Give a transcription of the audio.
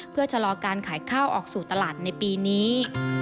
เพื่อชะลอการขายข้าวออกสู่ตลาดในปีนี้